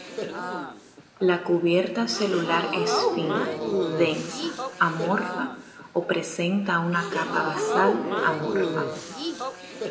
La cubierta celular es fina, densa, amorfa o presenta una capa basal amorfa.